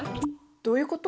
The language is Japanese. どういうこと？